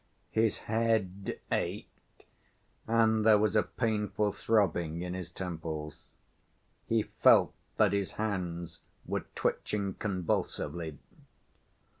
His head ached and there was a painful throbbing in his temples. He felt that his hands were twitching convulsively.